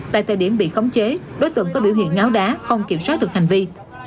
tại thời điểm bị khống chế đối tượng có biểu hiện ngáo đá không kiểm soát được hành vi